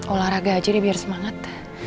olahraga aja nih biar semangat